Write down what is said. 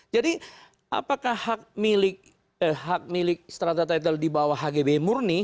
jadi apakah hak milik hak milik strata title di bawah hgb murni